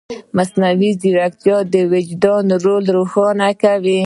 مصنوعي ځیرکتیا د وجدان رول روښانه کوي.